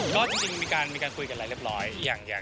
ก็จริงมีการคุยกันอะไรเรียบร้อย